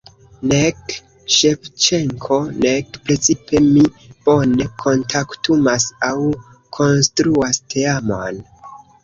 Nek Ŝevĉenko nek precipe mi bone kontaktumas aŭ konstruas teamojn.